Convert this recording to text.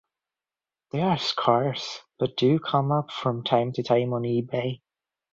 They are scarce but do come up from time to time on Ebay.